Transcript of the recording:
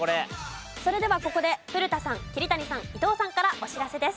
それではここで古田さん桐谷さん伊藤さんからお知らせです。